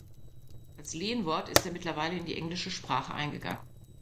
Als Lehnwort ist er mittlerweile in die englische Sprache eingegangen.